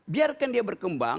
biarkan dia berkembang